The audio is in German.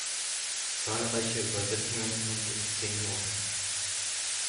Zahlreiche Übersetzungen und Inszenierungen.